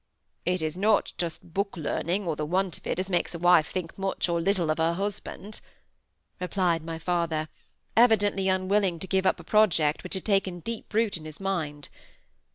"It is not just book learning or the want of it as makes a wife think much or little of her husband," replied my father, evidently unwilling to give up a project which had taken deep root in his mind.